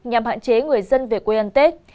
nhằm hạn chế người dân về quê ăn tết